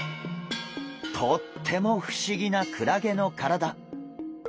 とっても不思議なクラゲの体。